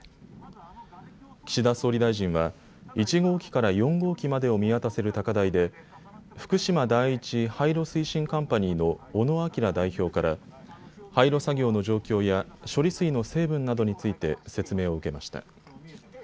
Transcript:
岸田総理大臣は１号機から４号機までを見渡せる高台で福島第一廃炉推進カンパニーの小野明代表から廃炉作業の状況や処理水の成分などについて説明を受けました。